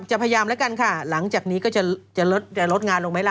จะพยายามแล้วกันค่ะหลังจากนี้ก็จะลดงานลงไหมล่ะ